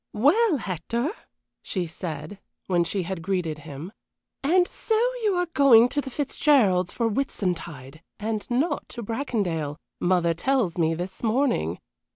"Well, Hector," she said, when she had greeted him, "and so you are going to the Fitzgeralds' for Whitsuntide, and not to Bracondale, mother tells me this morning.